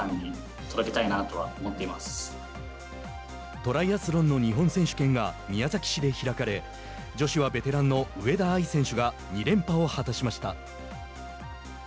トライアスロンの日本選手権が宮崎市で開かれ女子はベテランの上田藍選手が２連覇を果たしました。